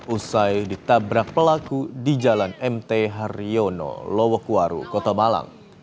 usai ditabrak pelaku di jalan mt haryono lowokwaru kota malang